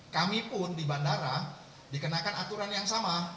kamipun di bandara dikenakan aturan yang sama